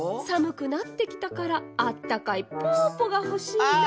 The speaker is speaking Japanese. さむくなってきたからあったかいぽぽがほしいな。